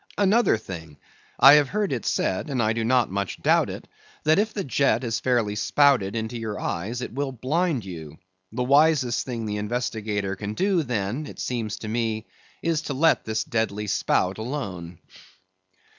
Another thing; I have heard it said, and I do not much doubt it, that if the jet is fairly spouted into your eyes, it will blind you. The wisest thing the investigator can do then, it seems to me, is to let this deadly spout alone.